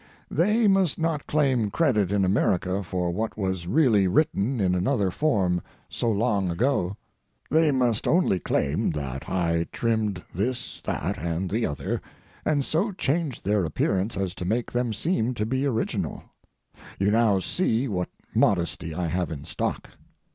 They must not claim credit in America for what was really written in another form so long ago. They must only claim that I trimmed this, that, and the other, and so changed their appearance as to make them seem to be original. You now see what modesty I have in stock.